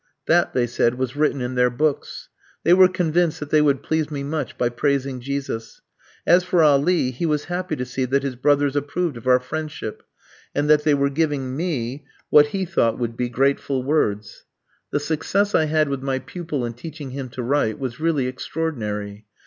That, they said, was written in their books. They were convinced that they would please me much by praising Jesus. As for Ali, he was happy to see that his brothers approved of our friendship, and that they were giving me, what he thought would be, grateful words. The success I had with my pupil in teaching him to write, was really extraordinary.